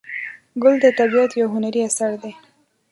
ګل د طبیعت یو هنري اثر دی.